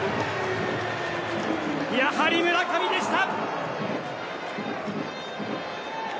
やはり村上でした。